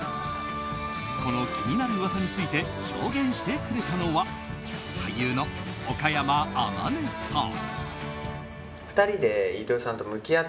この気になる噂について証言してくれたのは俳優の岡山天音さん。